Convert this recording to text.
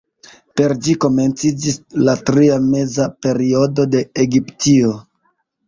Per ĝi komenciĝis la Tria Meza Periodo de Egiptio.